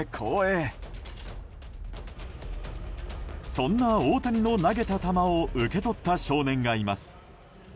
そんな大谷の投げた球を受け取った少年がいます。